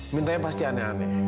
minta yang pasti aneh aneh